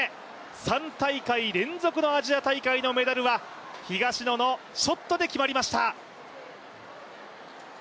３大会連続のアジア大会のメダルは東野のショットで決まりました。